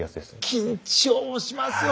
緊張しますよ